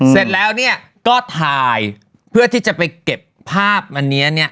เสร็จแล้วก็ถ่ายเพื่อที่จะไปเก็บภาพอันนี้เนี่ย